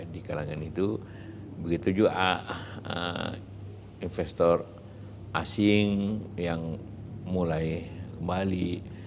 di kalangan itu begitu juga investor asing yang mulai kembali